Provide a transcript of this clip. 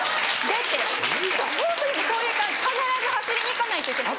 ホントにそういう感じ必ず走りに行かないといけない。